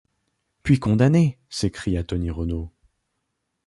Puis condamnés !… s’écria Tony Renault.